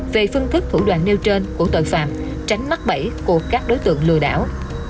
về phương thức thủ đoạn nêu trên của tội phạm tránh mắc bẫy của các đối tượng lừa đảo